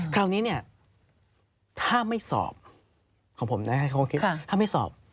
คราวนี้ถ้าไม่สอบของผมนะครับถ้าไม่สอบ